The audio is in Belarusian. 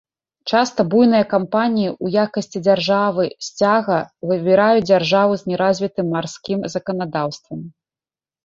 Часта буйныя кампаніі ў якасці дзяржавы сцяга выбіраюць дзяржаву з неразвітым марскім заканадаўствам.